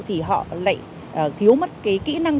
thì họ lại thiếu mất cái kỹ năng